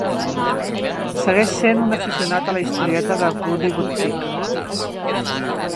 Segueix sent un aficionat a la historieta de Woody Woodpecker.